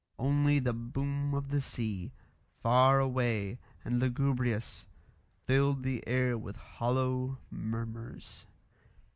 Only the boom of the sea, far away and lugubrious, filled the air with hollow murmurs.